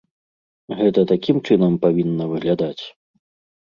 Гэта такім чынам павінна выглядаць?